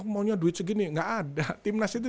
maunya duit segini nggak ada timnas itu